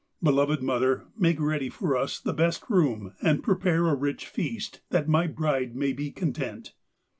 Beloved mother, make ready for us the best room and prepare a rich feast, that my bride may be content.'